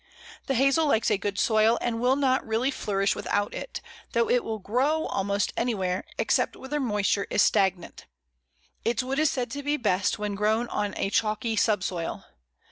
The Hazel likes a good soil, and will not really flourish without it, though it will grow almost anywhere, except where the moisture is stagnant. Its wood is said to be best when grown on a chalky subsoil.